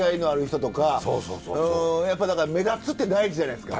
やっぱ目立つって大事じゃないですか。